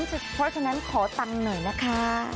เพราะฉะนั้นขอตังค์หน่อยนะคะ